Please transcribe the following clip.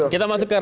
kita masuk ke rana